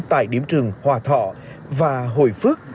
tại điểm trường hòa thọ và hồi phước